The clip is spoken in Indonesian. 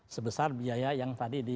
sebesar biaya yang tadi